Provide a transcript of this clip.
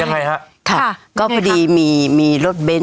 มากินให้ให้เลย